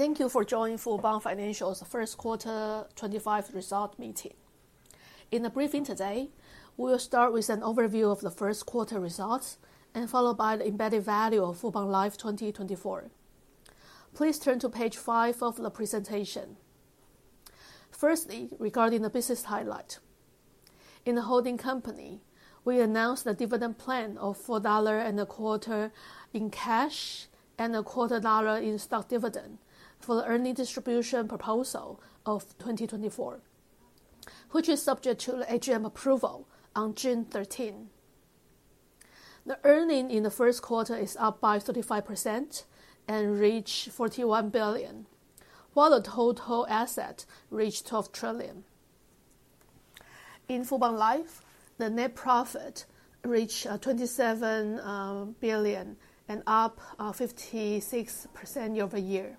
Thank you for joining Fubon Financial's first quarter 2025 result meeting. In the briefing today, we will start with an overview of the first quarter results and followed by the embedded value of Fubon Life 2024. Please turn to page five of the presentation. Firstly, regarding the business highlight. In the holding company, we announced the dividend plan of 4.25 dollar in cash and TWD 0.25 in stock dividend for the earnings distribution proposal of 2024, which is subject to the AGM approval on June 13. The earnings in the first quarter is up by 35% and reached 41 billion, while the total asset reached 12 trillion. In Fubon Life, the net profit reached 27 billion and up 56% year-over-year.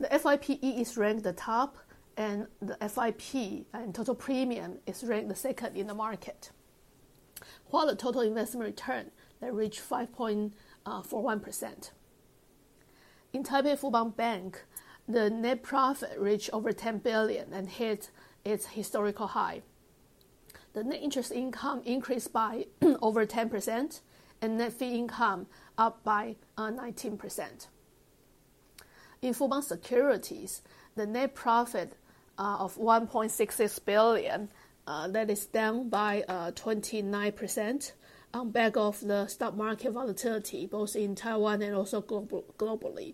The FIPE is ranked the top, and the FIP and total premium is ranked the second in the market, while the total investment return reached 5.41%. In Taipei Fubon Bank, the net profit reached over 10 billion and hit its historical high. The net interest income increased by over 10%, and net fee income up by 19%. In Fubon Securities, the net profit of 1.66 billion that is down by 29% on back of the stock market volatility both in Taiwan and also globally.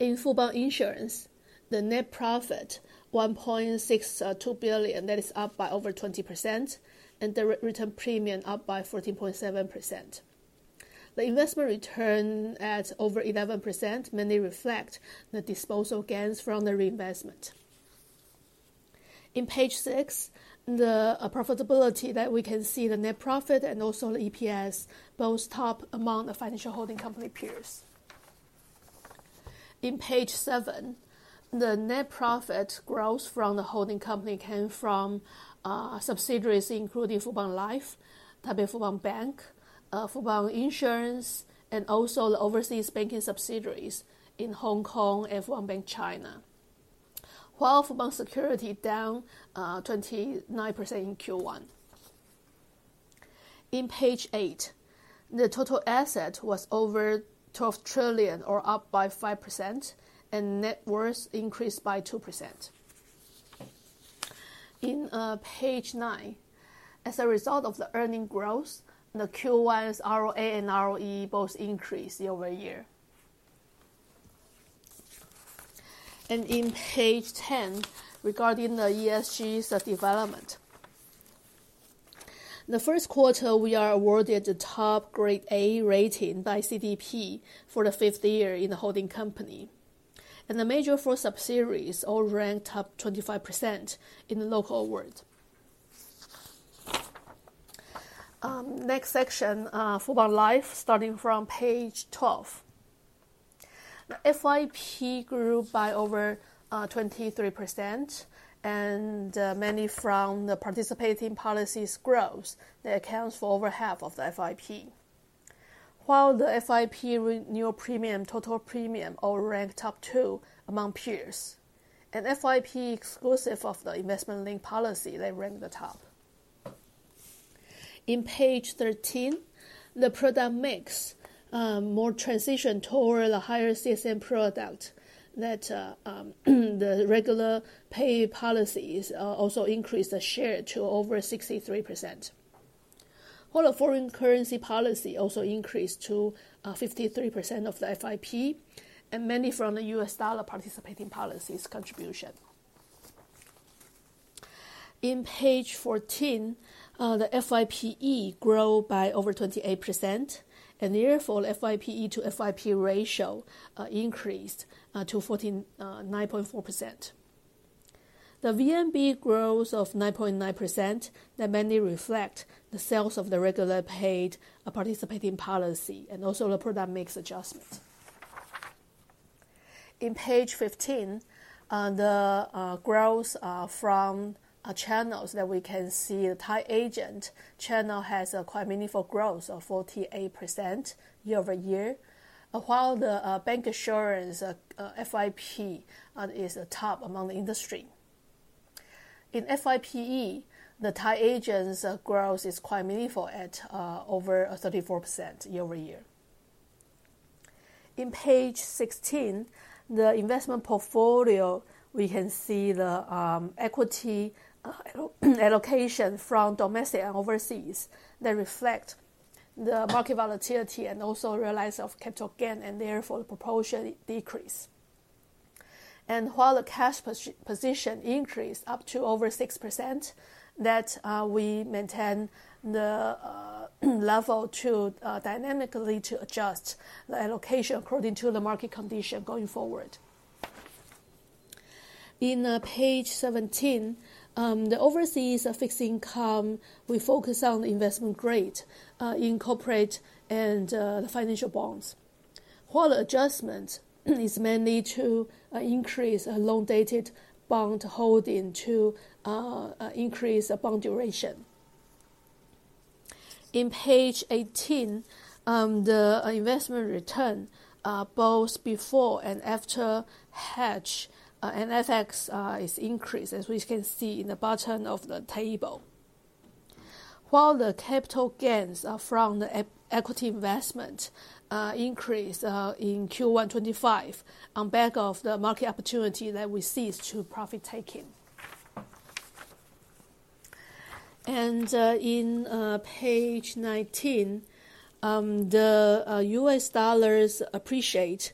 In Fubon Insurance, the net profit 1.62 billion that is up by over 20%, and the return premium up by 14.7%. The investment return at over 11% mainly reflects the disposal gains from the reinvestment. In page six, the profitability that we can see the net profit and also the EPS both top among the financial holding company peers. In page seven, the net profit growth from the holding company came from subsidiaries including Fubon Life, Taipei Fubon Bank, Fubon Insurance, and also the overseas banking subsidiaries in Hong Kong and Fubon Bank (China), while Fubon Securities down 29% in Q1. In page eight, the total asset was over 12 trillion or up by 5%, and net worth increased by 2%. In page nine, as a result of the earnings growth, the Q1's ROA and ROE both increased year-over-year. In page ten, regarding the ESG development, the first quarter we are awarded the top grade A rating by CDP for the fifth year in the holding company, and the major four subsidiaries all ranked up 25% in the local world. Next section, Fubon Life, starting from page 12. The FIP grew by over 23%, and mainly from the participating policies growth that accounts for over half of the FIP, while the FIP renewal premium total premium all ranked top two among peers, and FIP exclusive of the investment link policy that ranked the top. In page 13, the product mix more transition toward a higher CSM product that the regular pay policies also increased the share to over 63%, while the foreign currency policy also increased to 53% of the FIP, and mainly from the US dollar participating policies contribution. In page 14, the FIPE grew by over 28%, and therefore the FIPE to FIP ratio increased to 9.4%. The VNB growth of 9.9% that mainly reflects the sales of the regular paid participating policy and also the product mix adjustment. In page 15, the growth from channels that we can see, the tie agent channel has a quite meaningful growth of 48% year-over-year, while the bancassurance FIP is top among the industry. In FIPE, the tie agent's growth is quite meaningful at over 34% year-over-year. In page 16, the investment portfolio, we can see the equity allocation from domestic and overseas that reflects the market volatility and also realized of capital gain, and therefore the proportion decreased. While the cash position increased up to over 6%, we maintain the level to dynamically adjust the allocation according to the market condition going forward. In page 17, the overseas fixed income, we focus on the investment grade in corporate and the financial bonds, while the adjustment is mainly to increase a long-dated bond holding to increase bond duration. In page 18, the investment return both before and after hedge and FX is increased, as we can see in the bottom of the table, while the capital gains from the equity investment increase in Q1 2025 on back of the market opportunity that we see to profit taking. In page 19, the US dollars appreciate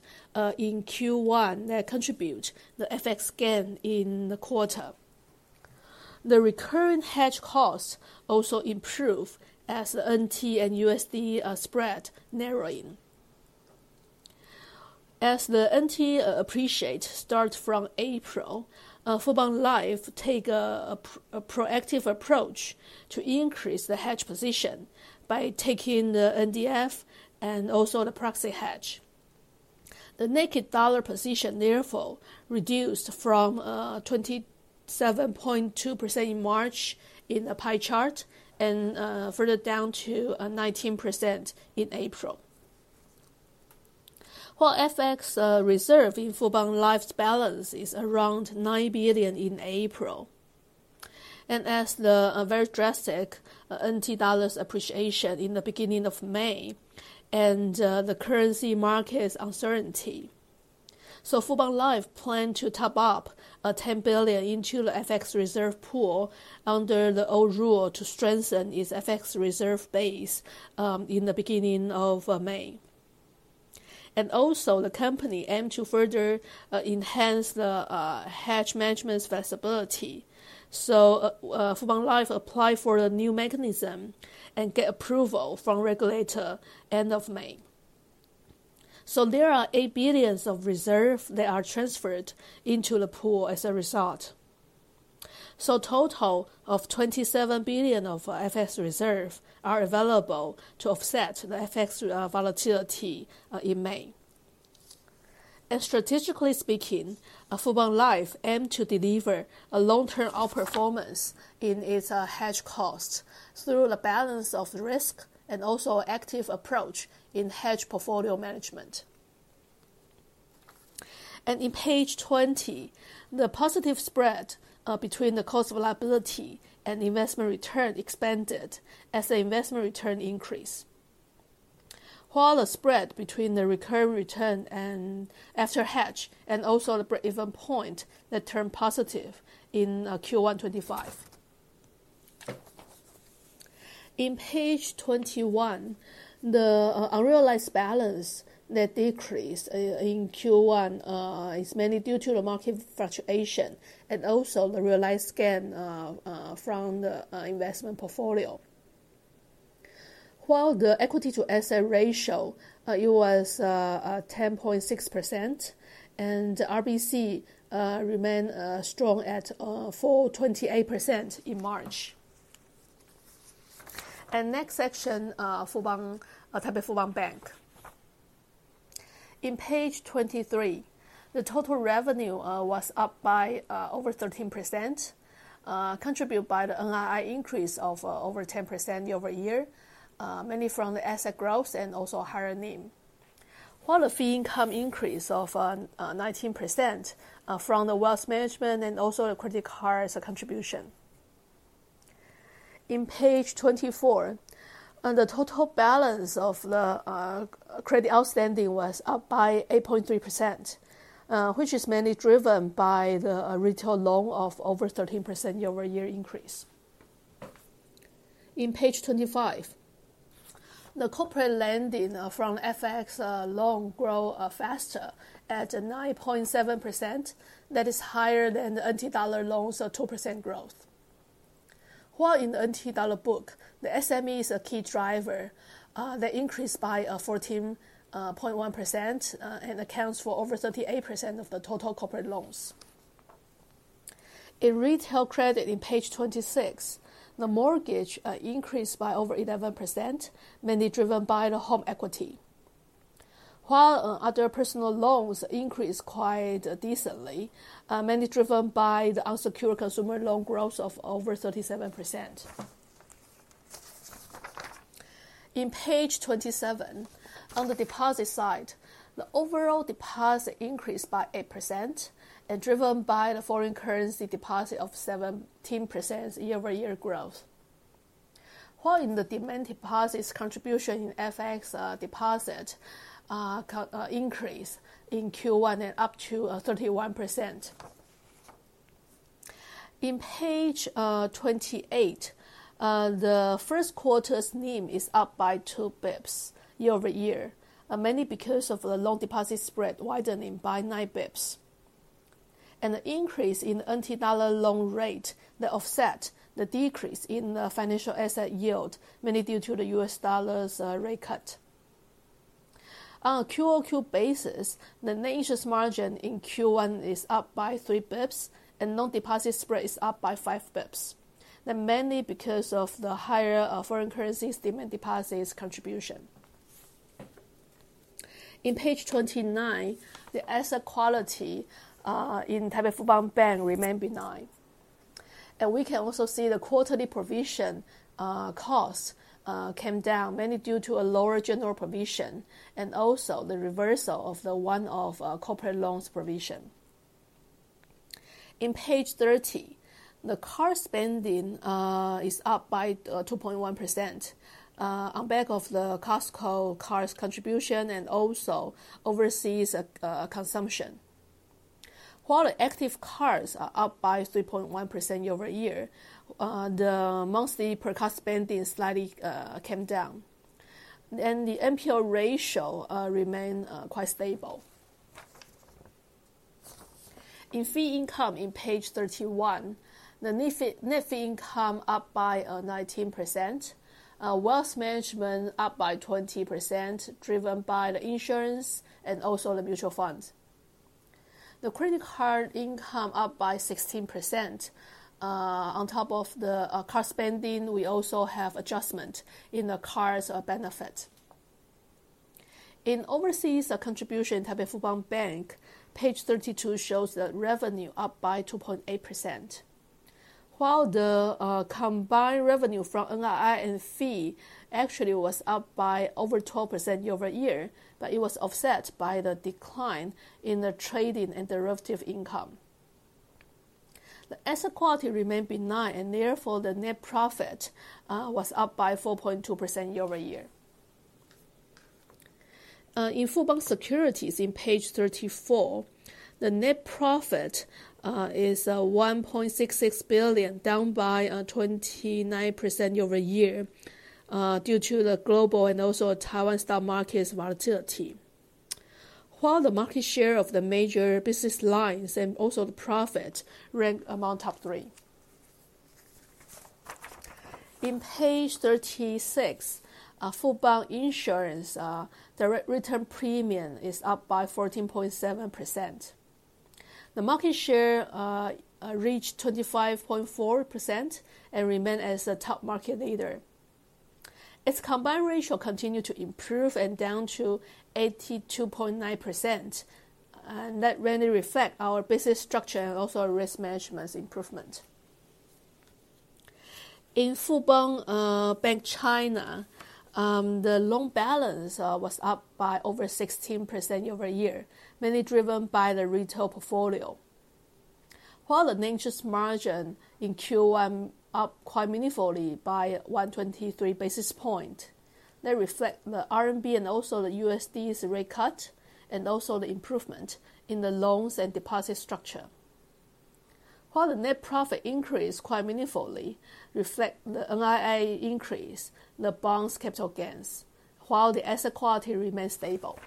in Q1 that contribute the FX gain in the quarter. The recurring hedge cost also improved as the NT and USD spread narrowing. As the NT appreciate starts from April, Fubon Life take a proactive approach to increase the hedge position by taking the NDF and also the proxy hedge. The naked dollar position therefore reduced from 27.2% in March in the pie chart and further down to 19% in April, while FX reserve in Fubon Life's balance is around 9 billion in April. As the very drastic NT dollars appreciation in the beginning of May and the currency market's uncertainty, Fubon Life planned to top up 10 billion into the FX reserve pool under the old rule to strengthen its FX reserve base in the beginning of May. Also, the company aimed to further enhance the hedge management's flexibility, so Fubon Life applied for the new mechanism and got approval from the regulator at the end of May. There are 8 billion of reserve that are transferred into the pool as a result. A total of 27 billion of FX reserve are available to offset the FX volatility in May. Strategically speaking, Fubon Life aimed to deliver a long-term outperformance in its hedge cost through the balance of risk and also active approach in hedge portfolio management. In page 20, the positive spread between the cost of liability and investment return expanded as the investment return increased, while the spread between the recurring return and after hedge and also the break-even point that turned positive in Q1 2025. In page 21, the unrealized balance that decreased in Q1 is mainly due to the market fluctuation and also the realized gain from the investment portfolio, while the equity to asset ratio was 10.6% and RBC remained strong at 428% in March. Next section, Taipei Fubon Bank. In page 23, the total revenue was up by over 13%, contributed by the NII increase of over 10% year-over-year, mainly from the asset growth and also higher NIM, while the fee income increase of 19% from the wealth management and also the credit card contribution. On page 24, the total balance of the credit outstanding was up by 8.3%, which is mainly driven by the retail loan of over 13% year-over-year increase. On page 25, the corporate lending from FX loan grew faster at 9.7%. That is higher than the NT dollar loan's 2% growth, while in the NT dollar book, the SME is a key driver that increased by 14.1% and accounts for over 38% of the total corporate loans. In retail credit on page 26, the mortgage increased by over 11%, mainly driven by the home equity, while other personal loans increased quite decently, mainly driven by the unsecured consumer loan growth of over 37%. In page 27, on the deposit side, the overall deposit increased by 8% and driven by the foreign currency deposit of 17% year-over-year growth, while in the demand deposits contribution in FX deposit increase in Q1 and up to 31%. In page 28, the first quarter's NIM is up by two basis points year-over-year, mainly because of the loan deposit spread widening by nine basis points and the increase in the NT dollar loan rate that offset the decrease in the financial asset yield, mainly due to the US dollars rate cut. On a quarter over quarter basis, the net interest margin in Q1 is up by three basis points and non-deposit spread is up by five basis points, mainly because of the higher foreign currency demand deposits contribution. In page 29, the asset quality in Taipei Fubon Bank remained benign, and we can also see the quarterly provision cost came down mainly due to a lower general provision and also the reversal of one of corporate loans provision. In page 30, the card spending is up by 2.1% on back of the Costco card's contribution and also overseas consumption, while the active cards are up by 3.1% year-over-year. The monthly per-card spending slightly came down, and the NPL ratio remained quite stable. In fee income in page 31, the net fee income up by 19%, wealth management up by 20% driven by the insurance and also the mutual fund. The credit card income up by 16%. On top of the card spending, we also have adjustment in the card's benefit. In overseas contribution in Taipei Fubon Bank, page 32 shows the revenue up by 2.8%, while the combined revenue from NII and fee actually was up by over 12% year-over-year, but it was offset by the decline in the trading and derivative income. The asset quality remained benign, and therefore the net profit was up by 4.2% year-over-year. In Fubon Securities in page 34, the net profit is 1.66 billion, down by 29% year-over-year due to the global and also Taiwan stock market's volatility, while the market share of the major business lines and also the profit ranked among top three. In page 36, Fubon Insurance direct return premium is up by 14.7%. The market share reached 25.4% and remained as a top market leader. Its combined ratio continued to improve and down to 82.9%, and that mainly reflects our business structure and also our risk management's improvement. In Fubon Bank China, the loan balance was up by over 16% year-over-year, mainly driven by the retail portfolio, while the net interest margin in Q1 up quite meaningfully by 123 basis points. That reflects the RMB and also the USD's rate cut and also the improvement in the loans and deposit structure, while the net profit increased quite meaningfully, reflecting the NII increase, the bonds capital gains, while the asset quality remained stable.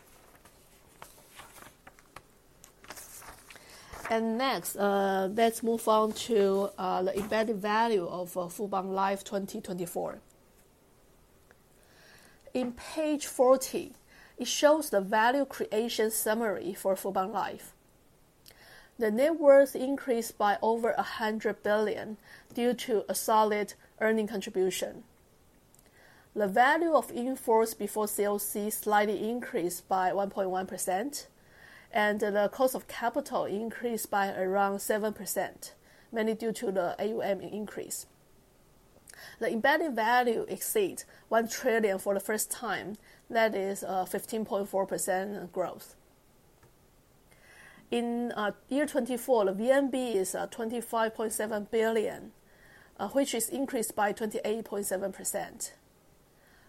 Next, let's move on to the embedded value of Fubon Life 2024. In page 40, it shows the value creation summary for Fubon Life. The net worth increased by over 100 billion due to a solid earning contribution. The value in force before cost of capital slightly increased by 1.1%, and the cost of capital increased by around 7%, mainly due to the AUM increase. The embedded value exceeds 1 trillion for the first time. That is a 15.4% growth. In year 2024, the VNB is 25.7 billion, which is increased by 28.7%.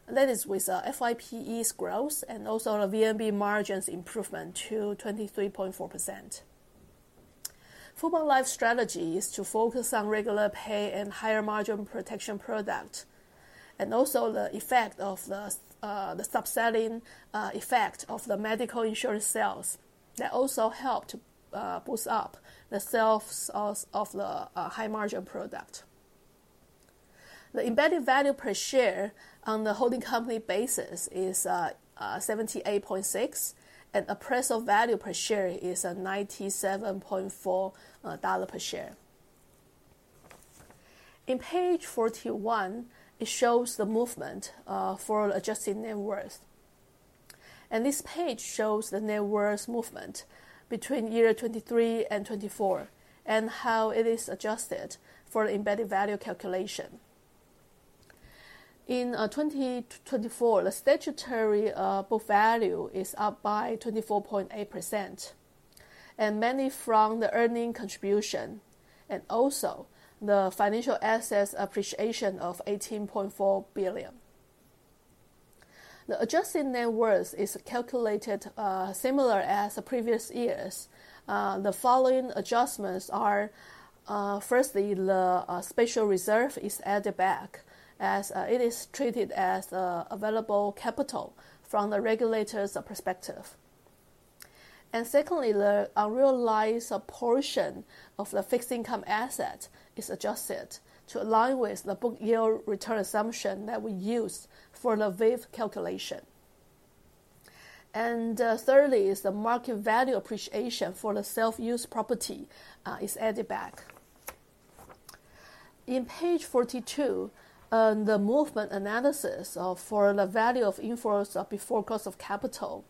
That is with FIPE's growth and also the VNB margin's improvement to 23.4%. Fubon Life's strategy is to focus on regular pay and higher margin protection product, and also the effect of the subselling effect of the medical insurance sales that also helped boost up the sales of the high margin product. The embedded value per share on the holding company basis is 78.6, and the price of value per share is 97.4 dollar per share. On page 41, it shows the movement for adjusted net worth, and this page shows the net worth movement between year 2023 and 2024 and how it is adjusted for the embedded value calculation. In 2024, the statutory book value is up by 24.8%, and mainly from the earning contribution and also the financial assets appreciation of 18.4 billion. The adjusted net worth is calculated similar as the previous years. The following adjustments are: firstly, the special reserve is added back as it is treated as available capital from the regulator's perspective. Secondly, the unrealized portion of the fixed income asset is adjusted to align with the book yield return assumption that we used for the WAVE calculation. Thirdly, the market value appreciation for the self-use property is added back. On page 42, the movement analysis for the value of in force before cost of capital,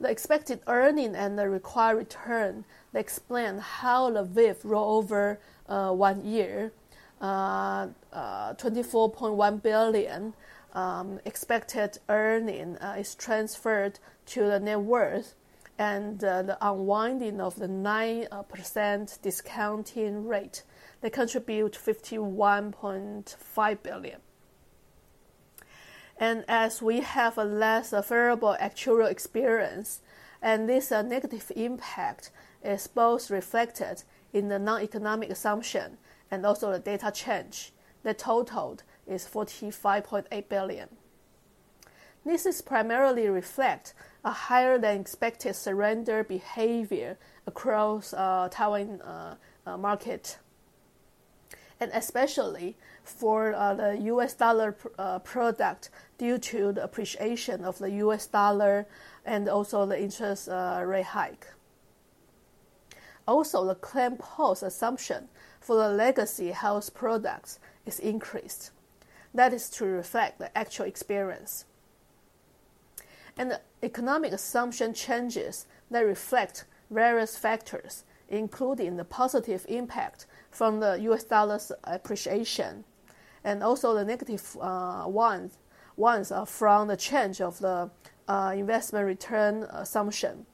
the expected earning and the required return that explain how the VIF rolled over one year, 24.1 billion expected earning is transferred to the net worth, and the unwinding of the 9% discounting rate that contributes 51.5 billion. As we have a less favorable actuarial experience, and this negative impact is both reflected in the non-economic assumption and also the data change, the total is 45.8 billion. This is primarily reflecting a higher than expected surrender behavior across the Taiwan market, especially for the US dollar product due to the appreciation of the US dollar and also the interest rate hike. Also, the claim post assumption for the legacy health products is increased. That is to reflect the actual experience. The economic assumption changes reflect various factors, including the positive impact from the US dollar's appreciation and also the negative ones from the change of the investment return assumption.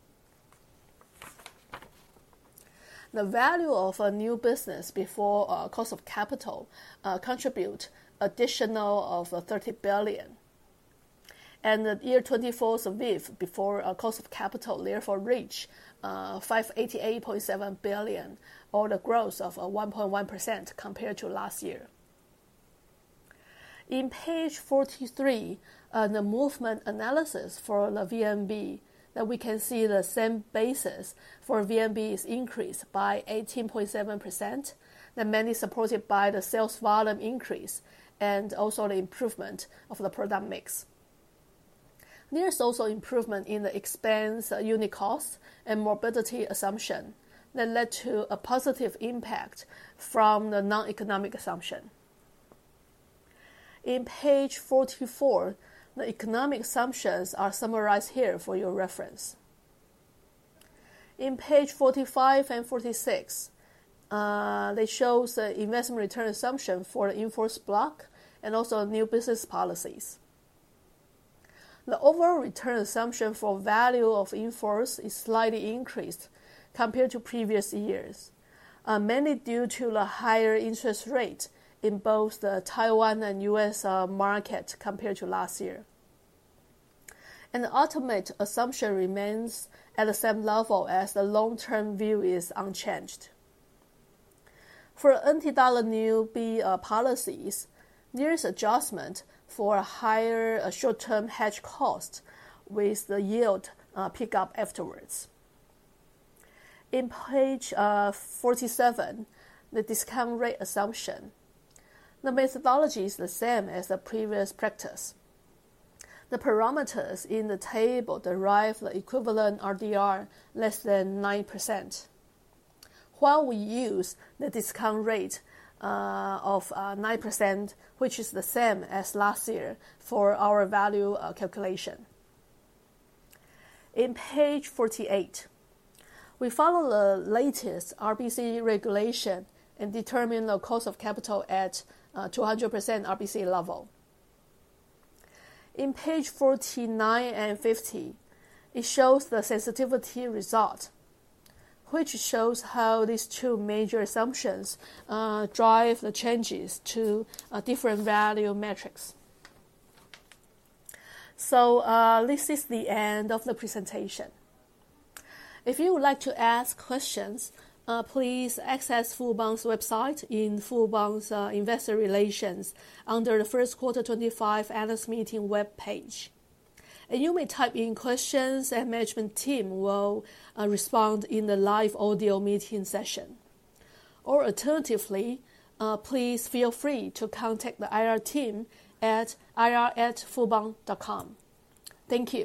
The value of new business before cost of capital contributes an additional TWD 30 billion, and the year 2024's VIF before cost of capital therefore reached 588.7 billion, or the growth of 1.1% compared to last year. In page 43, the movement analysis for the VNB, we can see the same basis for VNB is increased by 18.7%, mainly supported by the sales volume increase and also the improvement of the product mix. There is also improvement in the expense unit cost and morbidity assumption that led to a positive impact from the non-economic assumption. In page 44, the economic assumptions are summarized here for your reference. In page 45 and 46, they show the investment return assumption for the in-force block and also new business policies. The overall return assumption for value of in-force is slightly increased compared to previous years, mainly due to the higher interest rate in both the Taiwan and U.S. market compared to last year. The ultimate assumption remains at the same level as the long-term view is unchanged. For NT dollar new business policies, there's adjustment for a higher short-term hedge cost with the yield pickup afterwards. In page 47, the discount rate assumption. The methodology is the same as the previous practice. The parameters in the table derive the equivalent RDR less than 9%, while we use the discount rate of 9%, which is the same as last year for our value calculation. In page 48, we follow the latest RBC regulation and determine the cost of capital at 200% RBC level. In page 49 and 50, it shows the sensitivity result, which shows how these two major assumptions drive the changes to different value metrics. This is the end of the presentation. If you would like to ask questions, please access Fubon's website in Fubon's Investor Relations under the first quarter 2025 analyst meeting web page. You may type in questions, and the management team will respond in the live audio meeting session. Alternatively, please feel free to contact the IR team at ir@fubon.com. Thank you.